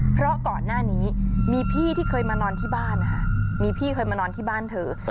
เพราะก่อนหน้านี้มีพี่ที่เคยมานอนที่บ้านนะคะมีพี่เคยมานอนที่บ้านเธอ